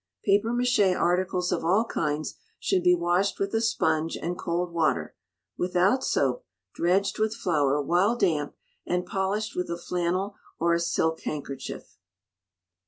Papier Maché articles of all kinds should be washed with a sponge and cold water, without soap, dredged with flour while damp, and polished with a flannel or a silk handkerchief.